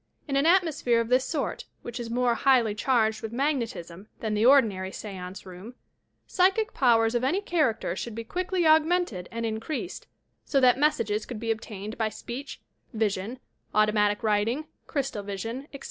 In an atmosphere of this sort, which is more highly charged with magnetism than the ordi nary s^anee room, psychic powers of any character ahouid be quickly augmented and increased, so that mes sages could be obtained by speech, vision, automatic writ ing, crystal vision, etc.